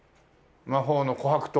「魔法の琥珀糖」